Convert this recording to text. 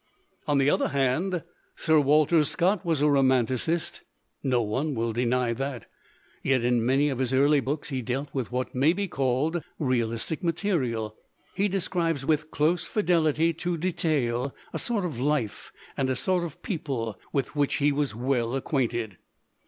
"On the other hand, Sir Walter Scott was a romanticist. No one will deny that. Yet in many of his early books he dealt with what may be called realistic material; he described with close fidelity to detail a sort of life and a sort of people with which he was well acquainted.